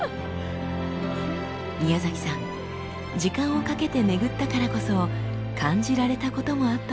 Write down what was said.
宮崎さん時間をかけて巡ったからこそ感じられたこともあったそうです。